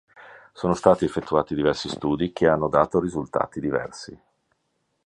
Sono stati effettuati diversi studi, che hanno dato risultati diversi.